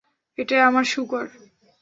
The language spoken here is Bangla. এটা আমার শূকর।